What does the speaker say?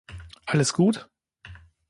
Alles gut?